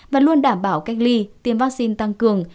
và luôn đảm bảo cách ly tiêm vaccine tăng cường